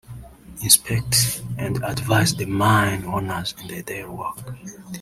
Inspect and advise the mine owners in their daily work